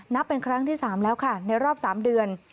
นับเป็นครั้งที่๓แล้วค่ะในรอบ๓เดือน